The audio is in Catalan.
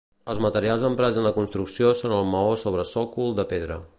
Els materials emprats en la construcció són el maó sobre sòcol de pedra.